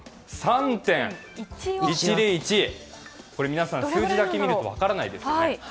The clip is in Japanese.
皆さん、数字だけ見ると分からないですよね。